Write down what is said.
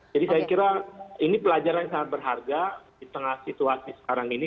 jadi saya kira ini pelajaran yang sangat berharga di tengah situasi sekarang ini